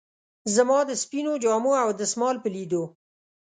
زما د سپینو جامو او دستمال په لیدو.